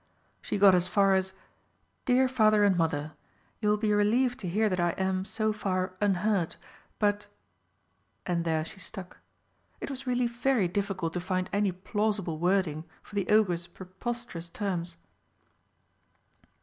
She got as far as: "Dear Father and Mother, You will be relieved to hear that I am, so far, unhurt. But" and there she stuck. It was really very difficult to find any plausible wording for the Ogre's preposterous terms.